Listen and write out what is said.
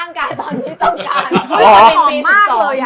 ร่างกายตอนนี้ต้องการ